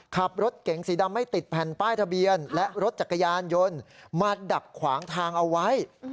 ขับรถเก๋งสีดำไม่ติดแผ่นป้ายทะเบียนและรถจักรยานยนต์มาดักขวางทางเอาไว้